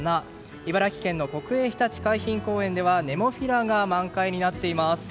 茨城県の国営ひたち海浜公園ではネモフィラが満開になっています。